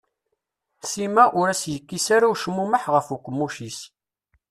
Sima ur as-yekkis ara ucmumeḥ ɣef uqemmuc-is.